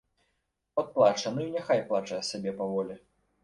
От плача, ну і няхай плача сабе паволі.